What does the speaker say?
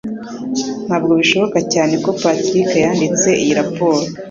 Ntabwo bishoboka cyane ko Patrick yanditse iyi raporo.